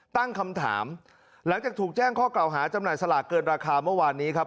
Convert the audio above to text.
ตั้งคำถามหลังจากถูกแจ้งข้อกล่าวหาจำหน่ายสลากเกินราคาเมื่อวานนี้ครับ